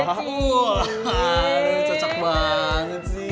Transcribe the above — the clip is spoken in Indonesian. aduh cocok banget sih